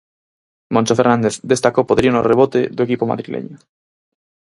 Moncho Fernández destaca o poderío no rebote do equipo madrileño.